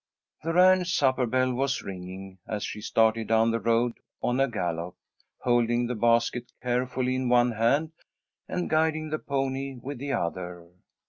The ranch supper bell was ringing as she started down the road on a gallop, holding the basket carefully in one hand, and guiding the pony with the other.